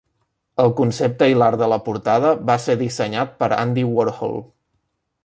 El concepte i l'art de la portada va ser dissenyat per Andy Warhol.